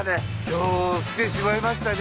今日来てしまいましたね。